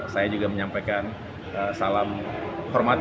saya juga menyampaikan salam hormat